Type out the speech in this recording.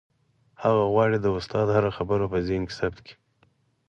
هغه غواړي د استاد هره خبره په ذهن کې ثبت کړي.